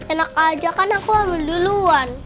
enak aja kan aku ambil duluan